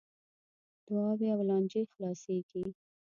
دعاوې او لانجې خلاصیږي .